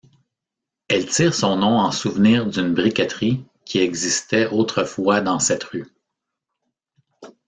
Elle tire son nom en souvenir d'une briqueterie qui existait autrefois dans cette rue.